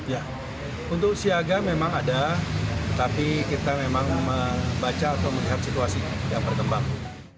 ya untuk siaga memang ada tetapi kita memang membaca atau melihat situasi yang berkembang